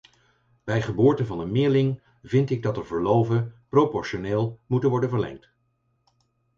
Bij geboorte van een meerling vind ik dat de verloven proportioneel moeten worden verlengd.